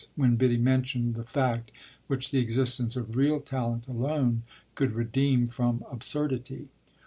when Biddy mentioned the fact which the existence of real talent alone could redeem from absurdity.